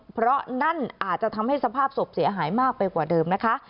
เพราะนั่นอาจจะทำให้สภาพศพเสียหายมากไปกว่าเดิมนะคะ